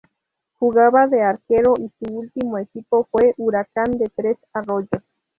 Jugaba de arquero y su último equipo fue Huracán de Tres Arroyos.